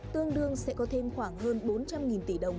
tương đương sẽ có thêm khoảng hơn bốn trăm linh tỷ đồng